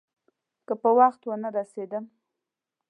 که په وخت ونه رسېدم.